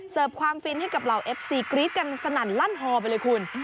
ความฟินให้กับเหล่าเอฟซีกรี๊ดกันสนั่นลั่นฮอไปเลยคุณ